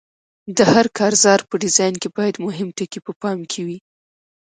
د هر کارزار په ډیزاین کې باید مهم ټکي په پام کې وي.